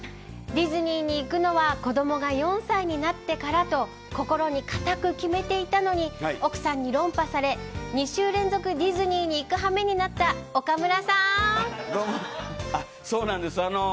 ディズニーに行くのは子どもが４歳になってからと心に固く決めていたのに奥さんに論破され２週連続ディズニーにどうも、そうなんです。